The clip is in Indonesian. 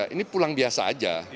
ini pulang biasa saja